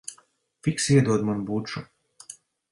Fiksi iedod man buču.